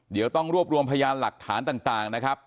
เดี๋ยวต้องรวบรวมพยานหลักฐานต่างนะครับ